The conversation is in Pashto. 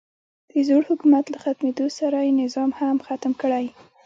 د زوړ حکومت له ختمېدو سره یې نظام هم ختم کړی.